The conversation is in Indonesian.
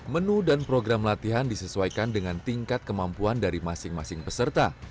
menu dan program latihan disesuaikan dengan tingkat kemampuan dari masing masing peserta